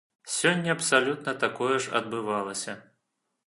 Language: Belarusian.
Сёння абсалютна такое ж адбывалася.